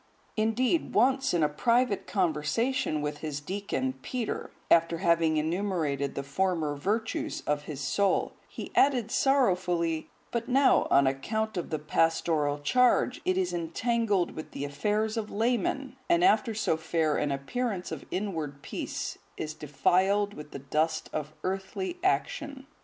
Indeed, once in a private conversation with his deacon, Peter, after having enumerated the former virtues of his soul, he added sorrowfully, "But now, on account of the pastoral charge, it is entangled with the affairs of laymen, and, after so fair an appearance of inward peace, is defiled with the dust of earthly action.